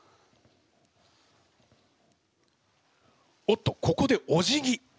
おっとここでおじぎ。